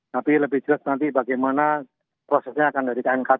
tapi lebih jelas nanti bagaimana prosesnya akan dari knkt